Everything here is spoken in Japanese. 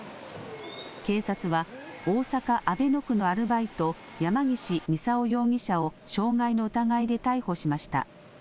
警察は大阪、阿倍野区のアルバイト山岸操容疑者を傷害の疑いで逮捕しました。